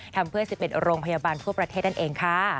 ทำเพื่อ๑๑โรงพยาบาลทั่วประเทศนั่นเองค่ะ